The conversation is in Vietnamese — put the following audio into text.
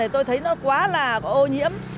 tôi thấy nó quá là ô nhiễm